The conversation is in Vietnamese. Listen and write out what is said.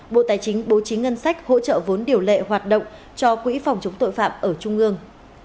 bộ tài chính bố trí ngân sách hỗ trợ vốn điều lệ hoạt động cho quỹ phòng chống tội phạm ở trung ương